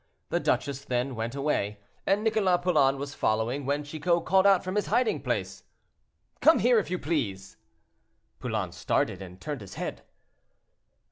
The duchess then went away, and Nicholas Poulain was following, when Chicot called out from his hiding place— "Come here, if you please." Poulain started, and turned his head.